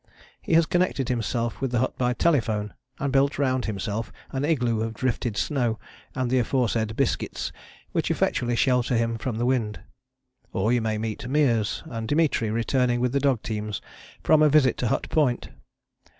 He has connected himself with the hut by telephone, and built round himself an igloo of drifted snow and the aforesaid 'biscuits,' which effectually shelter him from the wind. Or you may meet Meares and Dimitri returning with the dog teams from a visit to Hut Point.